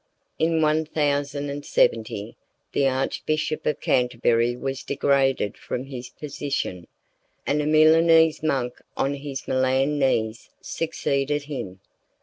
In 1070 the Archbishop of Canterbury was degraded from his position, and a Milanese monk on his Milan knees succeeded him.